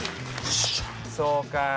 そうかあ。